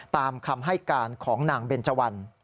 ตามคำให้การของนางเบนเจวัน